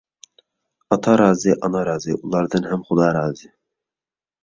ئاتا رازى، ئانا رازى، ئۇلاردىن ھەم خۇدا رازى.